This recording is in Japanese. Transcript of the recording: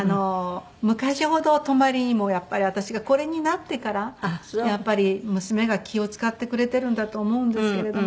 昔ほど泊まりにもやっぱり私がこれになってからやっぱり娘が気を使ってくれてるんだと思うんですけれども。